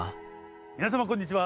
皆様こんにちは。